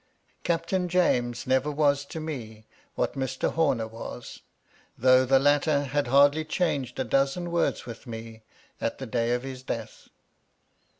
Captain James never was to me what Mr. Homer was, though the latter had hardly changed a dozen words with me at the day of his death.